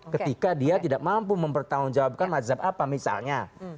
ketika dia tidak mampu mempertanggungjawabkan mazhab apa misalnya